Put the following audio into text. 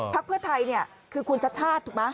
ภาคเพื่อไทยเนี่ยคือคุณชัชชาธิ์ถูกไหม